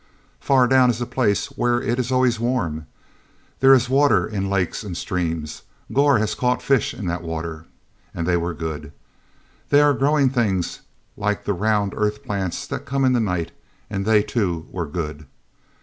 "Far down is a place where it is always warm. There is water in lakes and streams. Gor has caught fish in that water, and they were good. There are growing things like the round earth plants that come in the night, and they, too, were good.